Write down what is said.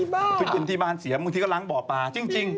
ไปกินที่บ้านเสียบางทีก็ล้างบ่อปลาจริง